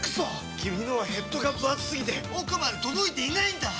君のはヘッドがぶ厚すぎて奥まで届いていないんだっ！